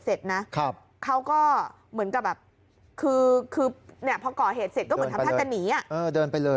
เสร็จนะครับเขาก็เหมือนกับว่าครึ่งคือแฟะ